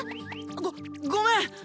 「ごっごめん！